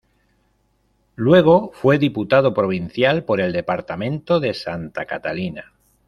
Luego fue diputado provincial por el Departamento de Santa Catalina.